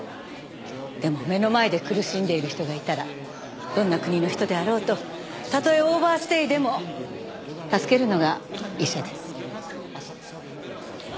でも目の前で苦しんでいる人がいたらどんな国の人であろうとたとえオーバーステイでも助けるのが医者です。